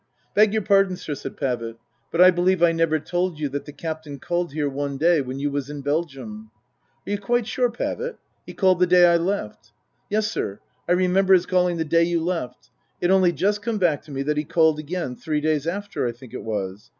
" Beg your pardon, sir," said Pavitt, " but I believe I never told you that the Captain called here one day when you was in Belgium." " Are you quite sure, Pavitt ? He called the day I left." " Yes, sir, I remember 'is calling the day you left. It's only just come back to me that he called again, three days after, I think it was.